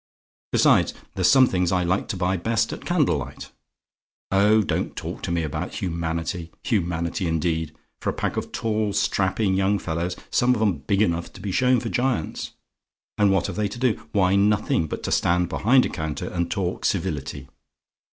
"Besides, there's some things I like to buy best at candle light. Oh, don't talk to me about humanity! Humanity, indeed, for a pack of tall, strapping young fellows some of 'em big enough to be shown for giants! And what have they to do? Why nothing, but to stand behind a counter, and talk civility.